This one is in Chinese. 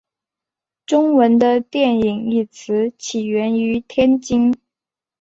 中文的电影一词起源于天津。